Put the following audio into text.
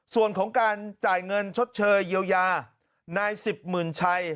ส่วนของการจ่ายเงินชดเชยเยียวยานายสิบหมื่นชัย